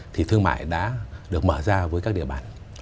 thì thương mại đã được mở ra với các địa bàn